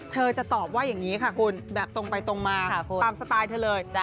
เธอจะตอบว่าอย่างนี้ค่ะคุณแบบตรงไปตรงมาตามสไตล์เธอเลย